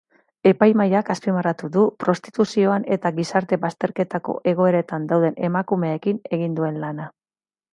Epaimahaiak azpimarratu du prostituzioan eta gizarte bazterketako egoeretan dauden emakumeekin egin duen lana.